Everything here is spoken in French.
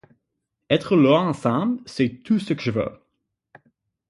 Être là ensemble, c'est tout ce que je veux.